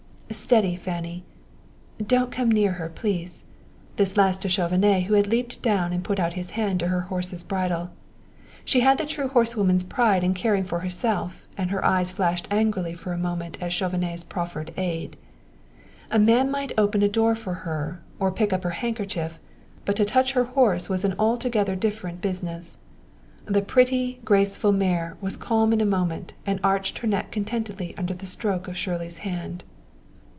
"Steady, Fanny! Don't come near her, please " this last to Chauvenet, who had leaped down and put out his hand to her horse's bridle. She had the true horsewoman's pride in caring for herself and her eyes flashed angrily for a moment at Chauvenet's proffered aid. A man might open a door for her or pick up her handkerchief, but to touch her horse was an altogether different business. The pretty, graceful mare was calm in a moment and arched her neck contentedly under the stroke of Shirley's hand.